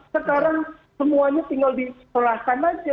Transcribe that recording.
sekarang semuanya tinggal diserahkan saja